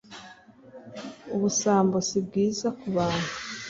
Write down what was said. ubusambo si bwiza ku bantu